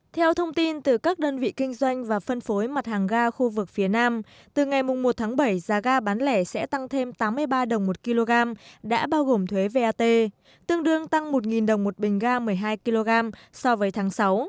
theo thông tin từ các đơn vị kinh doanh và phân phối mặt hàng ga khu vực phía nam từ ngày một tháng bảy giá ga bán lẻ sẽ tăng thêm tám mươi ba đồng một kg đã bao gồm thuế vat tương đương tăng một đồng một bình ga một mươi hai kg so với tháng sáu